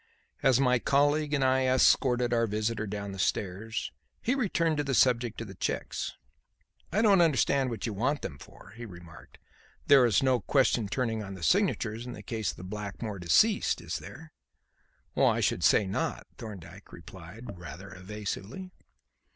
As my colleague and I escorted our visitor down the stairs, he returned to the subject of the cheques. "I don't understand what you want them for," he remarked. "There is no question turning on signatures in the case of Blackmore deceased, is there?" "I should say not," Thorndyke replied rather evasively.